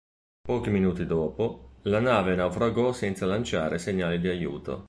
Pochi minuti dopo, la nave naufragò senza lanciare segnali di aiuto.